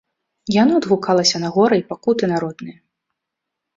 Яно адгукалася на гора і пакуты народныя.